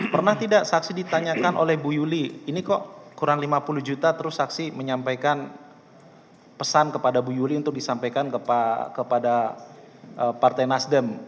pernah tidak saksi ditanyakan oleh bu yuli ini kok kurang lima puluh juta terus saksi menyampaikan pesan kepada bu yuli untuk disampaikan kepada partai nasdem